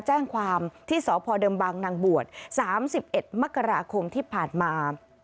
แจ้งความที่สพดบนบ๓๑มคที่ผ่านมา